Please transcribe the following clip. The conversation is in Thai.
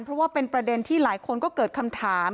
เพราะว่าเป็นประเด็นที่หลายคนก็เกิดคำถาม